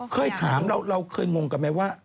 เคยถามเราเคยงงกันไหมว่า